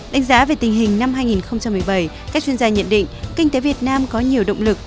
đánh giá về tình hình năm hai nghìn một mươi bảy các chuyên gia nhận định kinh tế việt nam có nhiều động lực